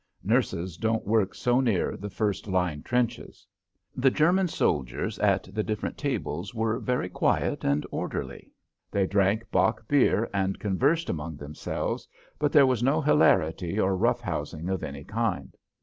Nurses don't work so near the first line trenches. The German soldiers at the different tables were very quiet and orderly. They drank Bock beer and conversed among themselves, but there was no hilarity or rough housing of any kind.